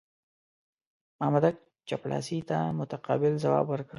مامدک چپړاسي ته متقابل ځواب ورکړ.